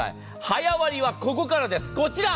早割りはここからです、こちら。